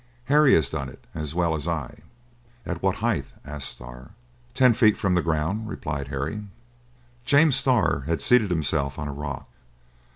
Harry has done it as well as I." "At what height?" asked Starr. "Ten feet from the ground," replied Harry. James Starr had seated himself on a rock.